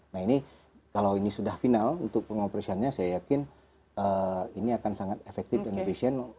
nah ini kalau ini sudah final untuk pengoperasiannya saya yakin ini akan sangat efektif dan efisien